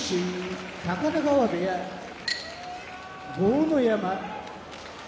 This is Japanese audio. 高田川部屋豪ノ山